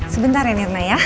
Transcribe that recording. sebentar ya mirna ya